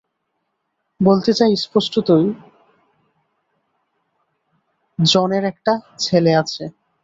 বলতে চাই, স্পষ্টতই, জনের একটা ছেলে আছে।